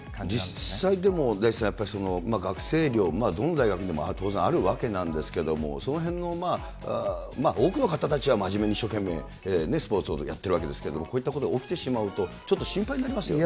実際でも、大地さん、やっぱり、学生寮、どの大学にも当然あるわけなんですけども、そのへんの多くの方たちは真面目に一生懸命スポーツをやってるわけですけど、こういったことが起きてしまうと、ちょっと心配になりますよね。